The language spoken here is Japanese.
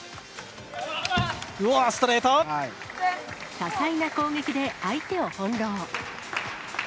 多彩な攻撃で相手を翻弄。